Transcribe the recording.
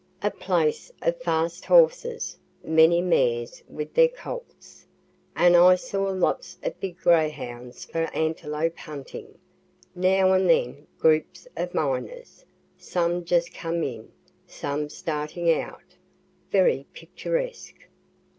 A place of fast horses, (many mares with their colts,) and I saw lots of big greyhounds for antelope hunting. Now and then groups of miners, some just come in, some starting out, very picturesque.